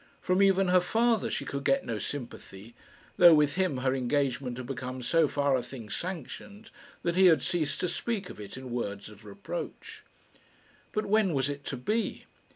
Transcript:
From even her father she could get no sympathy; though with him her engagement had become so far a thing sanctioned, that he had ceased to speak of it in words of reproach. But when was it to be?